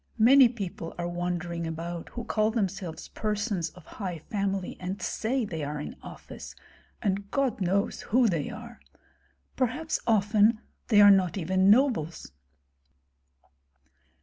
Many people are wandering about who call themselves persons of high family and say they are in office, and God knows who they are; perhaps often they are not even nobles."